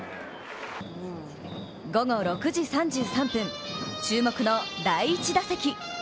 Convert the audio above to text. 午後６時３３分、注目の第１打席。